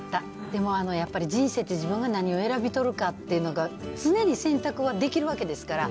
でもやっぱり人生って、自分が何を選び取るかってのが、常に選択はできるわけですから。